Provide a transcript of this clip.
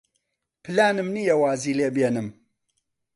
پلانم نییە وازی لێ بێنم.